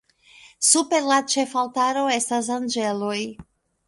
Super la ĉefaltaro estas anĝeloj.